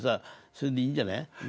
それでいいんじゃない？